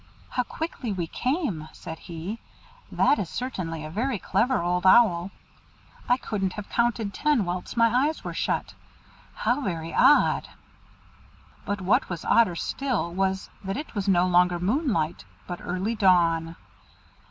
"How quickly we came!" said he; "that is certainly a very clever Old Owl. I couldn't have counted ten whilst my eyes were shut. How very odd!" But what was odder still was, that it was no longer moonlight, but early dawn.